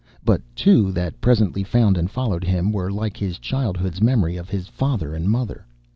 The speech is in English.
But two, that presently found and followed him, were like his childhood's memory of his father and mother.